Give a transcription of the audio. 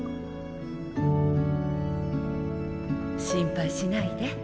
心配しないで。